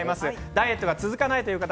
ダイエットが続かない方